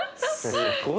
すごい。